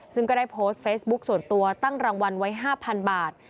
ซึ่งก็ได้โพสต์เฟซบุ๊คส่วนตัวตั้งรางวัลไว้๕๐๐๐บาท